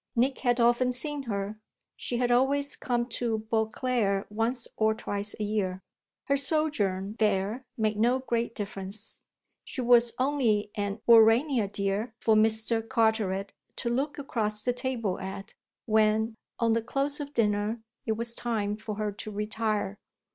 Nick had often seen her she had always come to Beauclere once or twice a year. Her sojourn there made no great difference; she was only an "Urania dear" for Mr. Carteret to look across the table at when, on the close of dinner, it was time for her to retire.